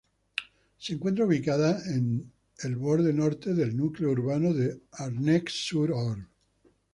Se encuentra ubicada en borde norte del núcleo urbano de Arnex-sur-Orbe.